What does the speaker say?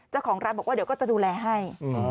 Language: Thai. เจ้าของร้านบอกว่าเดี๋ยวก็จะดูแลให้